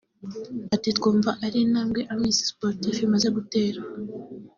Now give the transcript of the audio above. Ati “Twumva ari intambwe Amis Sportifs imaze gutera